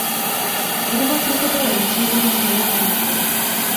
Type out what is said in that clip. Budova proto byla rozšířena směrem na východ.